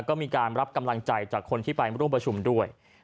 ก็มีการรับกำลังใจจากคนที่ไปร่วมประชุมด้วย